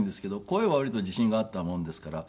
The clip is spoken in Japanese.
声は割と自信があったものですから。